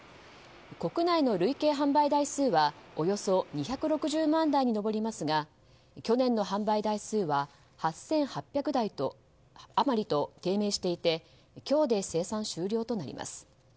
国内の累計販売台数はおよそ２６０万台に上りますが去年の販売台数は８８００台余りと低迷していて今日で生産終了となります。